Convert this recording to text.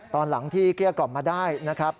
ตอนหลังที่เกลี้ยกล่อมมาได้นะครับ